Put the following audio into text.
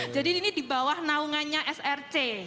jadi ini di bawah naungannya src